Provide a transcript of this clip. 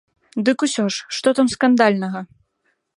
Дык усё ж, што там скандальнага?